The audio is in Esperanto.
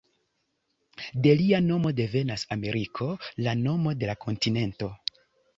De lia nomo devenas Ameriko, la nomo de la kontinento.